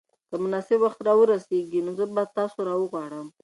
که مناسب وخت را ورسېږي نو زه به تاسو راوغواړم.